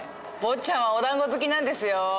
坊っちゃんはおだんご好きなんですよ。